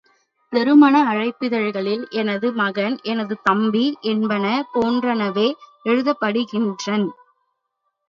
திருமண அழைப்பிதழ்களில் எனது மகன், எனது தம்பி என்பன போன்றனவே எழுதப்படுகின்றன்.